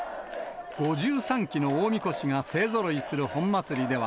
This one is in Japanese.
５３基の大みこしが勢ぞろいする本祭りでは、